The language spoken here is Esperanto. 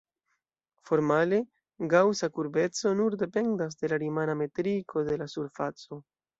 Formale, gaŭsa kurbeco nur dependas de la rimana metriko de la surfaco.